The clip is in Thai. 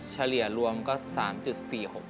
เฉลี่ยรวมก็๓๔๖ครับ